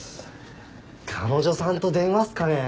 彼女さんと電話っすかね。